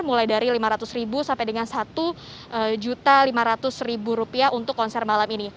mulai dari rp lima ratus sampai dengan rp satu lima ratus untuk konser malam ini